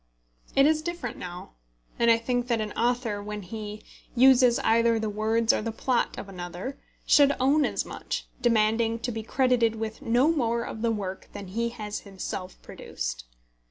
It is different now; and I think that an author, when he uses either the words or the plot of another, should own as much, demanding to be credited with no more of the work than he has himself produced.